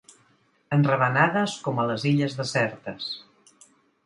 Enravenades com a les illes desertes.